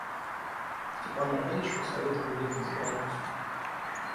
Степан Аркадьич посоветовал ехать за границу.